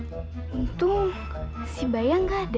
mas bro tuh mau kemana sih